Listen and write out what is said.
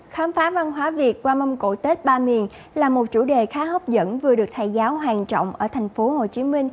khám phá văn hóa việt qua mâm cổ tết ba miền là một chủ đề khá hấp dẫn vừa được thầy giáo hoàng trọng ở tp hcm